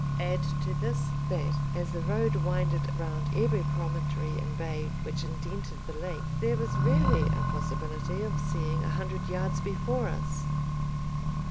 Add to this, that, as the road winded round every promontory and bay which indented the lake, there was rarely a possibility of seeing a hundred yards before us.